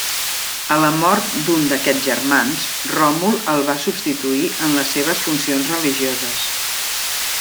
A la mort d'un d'aquests germans, Ròmul el va substituir en les seves funcions religioses.